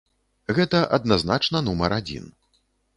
Гэта адназначна нумар адзін.